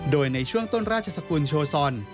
โดยในช่วงต้นราชสกุลโชซอน